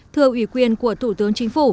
thưa ủy quyền của thủ tướng chính phủ